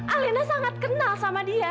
alena sangat kenal sama dia